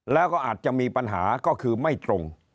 แล้วก็อาจจะมีปัญหาก็คือไม่ตรง